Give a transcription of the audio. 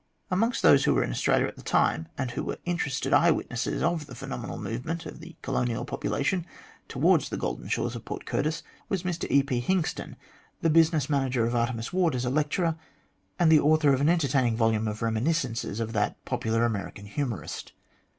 Amongst those who were in Australia at this time, and who were interested eye witnesses of the phenomenal move ment of the colonial population towards the golden shores of Port Curtis, was Mr E. P. Hingston, the business manager of Artemus Ward as a lecturer, and the author of an entertaining volume of reminiscences of that popular American humorist.